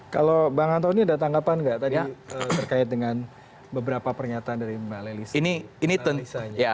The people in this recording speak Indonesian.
kalau bang antoni ada tanggapan nggak tadi terkait dengan beberapa pernyataan dari mbak lely